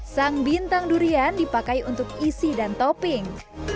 sang bintang durian dipakai untuk isi dan topping